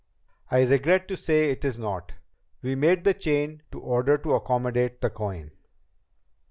"I regret to say it is not. We made the chain to order to accommodate the coin."